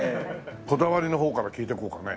こだわりの方から聞いてこうかね。